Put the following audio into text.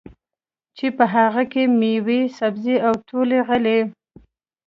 چې په هغو کې مېوې، سبزۍ او ټولې غلې